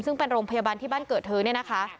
ซึ่งเป็นโรงพยาบาลที่บ้านเกิดเธอเนี่ยนะคะ